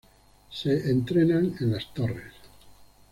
Se entrenan en las torres.